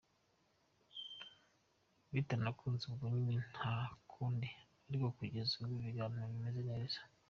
Bitanakunze ubwo nyine nta kundi ariko kugeza ubu ibiganiro bimeze neza.